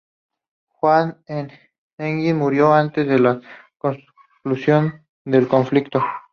Juan de Enghien murió antes de la conclusión del conflicto.